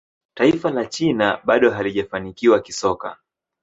taifa la china bado halijafanikiwa kisoka